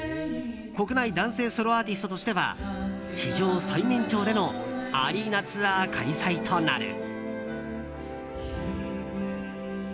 国内男性ソロアーティストとしては史上最年長でのアリーナツアー開催となる。